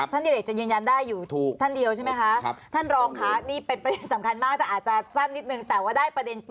ท่านดิเรศจะยงยันได้อยู่ท่านเดียวใช่ไหมคะ